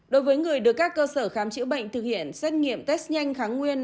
đối với người được các cơ sở khám chữa bệnh thực hiện xét nghiệm test nhanh kháng nguyên